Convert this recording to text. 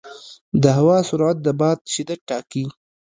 د هوا سرعت د باد شدت ټاکي.